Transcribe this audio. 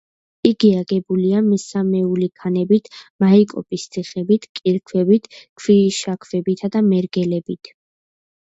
იგი აგებულია მესამეული ქანებით: მაიკოპის თიხებით, კირქვებით, ქვიშაქვებითა და მერგელებით.